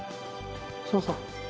そうそう。